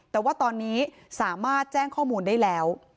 แต่ว่าตอนนี้สามารถแจ้งข้อมูลได้แล้ว